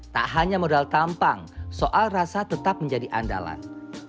tak hanya modal tampang soal rasa tetap menjadi andalan